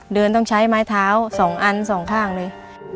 เดินต้องใช้ไม้เท้า๒อันสองข้างเลย